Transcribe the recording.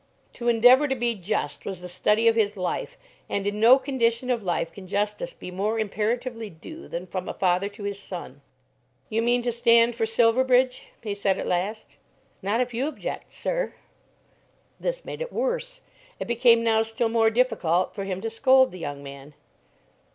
To endeavour to be just was the study of his life, and in no condition of life can justice be more imperatively due than from a father to his son. "You mean to stand for Silverbridge?" he said at last. "Not if you object, sir." This made it worse. It became now still more difficult for him to scold the young man.